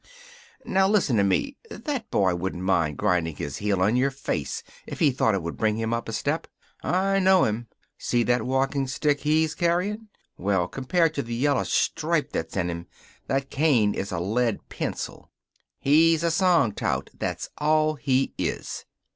"Now, listen to me. That boy wouldn't mind grinding his heel on your face if he thought it would bring him up a step. I know'm. See that walking stick he's carrying? Well, compared to the yellow stripe that's in him, that cane is a Lead pencil. He's a song tout, that's all he is."